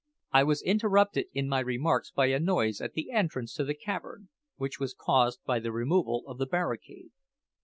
I was interrupted in my remarks by a noise at the entrance to the cavern, which was caused by the removal of the barricade.